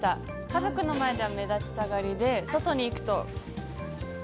家族の前では目立ちたがりで、外に行くと。